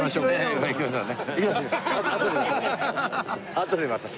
あとでまた。